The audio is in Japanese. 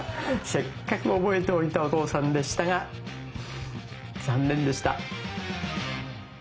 せっかく覚えておいたお父さんでしたが残念でした。